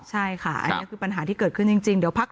ใช่ค่ะอันนี้คือปัญหาที่เกิดขึ้นจริง